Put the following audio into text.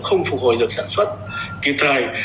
không phục hồi được sản xuất kịp thời